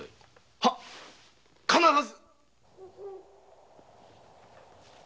はッ必ず。